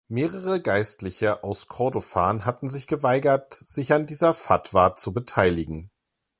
Mehrere Geistliche aus Kordofan hatten sich geweigert, sich an dieser Fatwa zu beteiligen.